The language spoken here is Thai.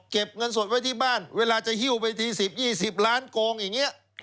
เงินสดไว้ที่บ้านเวลาจะหิ้วไปที๑๐๒๐ล้านโกงอย่างนี้